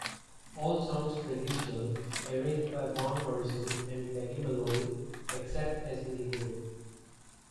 All songs traditional, arranged by Van Morrison and Paddy Moloney, except as indicated.